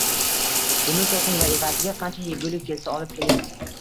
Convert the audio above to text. Buni soting va evaziga qancha egulik kelsa olib keling dedi